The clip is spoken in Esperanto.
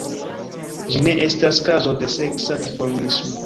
Ĝi ne estas kazo de seksa dimorfismo.